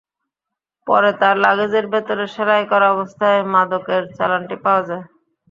পরে তাঁর লাগেজের ভেতরে সেলাই করা অবস্থায় মাদকের চালানটি পাওয়া যায়।